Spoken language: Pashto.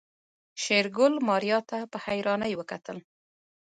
شېرګل ماريا ته په حيرانۍ وکتل.